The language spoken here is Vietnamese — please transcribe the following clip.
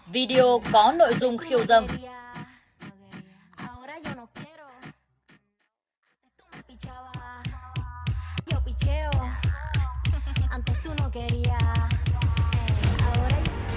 video có nội dung khiêu dâm